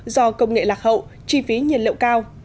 do công nghệ lạc hậu chi phí nhiên liệu cao